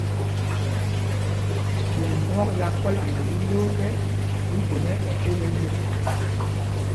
Ɓum nyɔk ya kɔla mɛ tí ló ekɛ, í í jüe mɛ́ ɛɓol ɛ lō.